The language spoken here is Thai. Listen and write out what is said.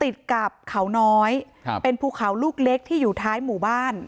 ติดกับเขาน้อยครับเป็นภูเขาลูกเล็กที่อยู่ท้ายหมู่บ้าน